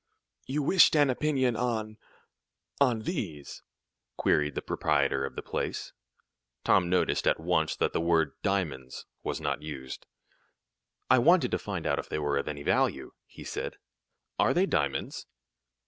"You wished an opinion on on these?" queried the proprietor of the place. Tom noticed at once that the word "diamonds" was not used. "I wanted to find out if they were of any value," he said. "Are they diamonds?"